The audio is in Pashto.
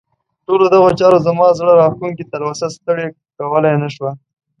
ټولو دغو چارو زما زړه راښکونکې تلوسه ستړې کولای نه شوه.